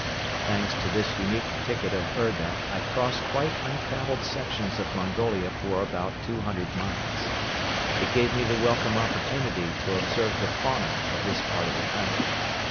Thanks to this unique ticket of urga I crossed quite untraveled sections of Mongolia for about two hundred miles. It gave me the welcome opportunity to observe the fauna of this part of the country.